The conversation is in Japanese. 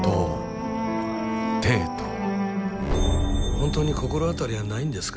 本当に心当たりはないんですか？